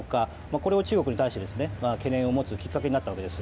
これを中国に対して懸念を持つきっかけになったわけです。